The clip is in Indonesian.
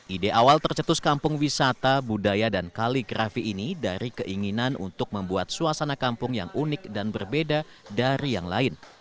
ide awal tercetus kampung wisata budaya dan kaligrafi ini dari keinginan untuk membuat suasana kampung yang unik dan berbeda dari yang lain